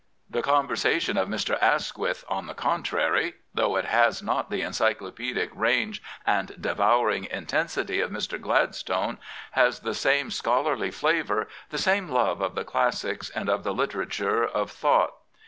The con versation of Mr. Asquith, on the contrary, though it has not the encyclopaedic range and devouring intensity of Mr. Gladstone, has the same scholarly flavour, the same love of the classics and of the literature of thought.